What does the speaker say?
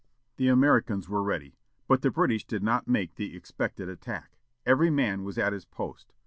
The Americans were ready, but the British did not make the expected attack. Every man was at his post.